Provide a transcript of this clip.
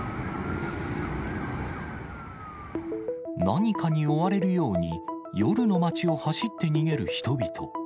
何かに追われるように夜の街を走って逃げる人々。